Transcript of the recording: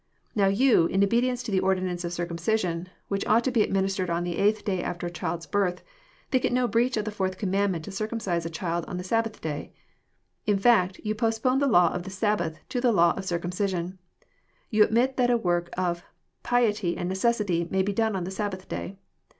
Now yon, in obedience to the ordinance of circumcision, which ought to be administered on the eightlvikjLAl^bec^ child's birth, think .it no breach of the fourth commandment to circumcise a chil d on th e Sabbath day. In fact, you postpone the law of the Sabbatff to the law of circumcision. Tou admit tHatu work of piety and necessity may be done on the Sabbath day.'